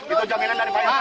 itu jaminan dari payah